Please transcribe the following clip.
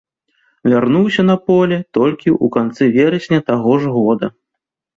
Вярнуўся на поле толькі ў канцы верасня таго ж года.